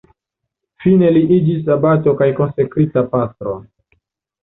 Fine li iĝis abato kaj konsekrita pastro.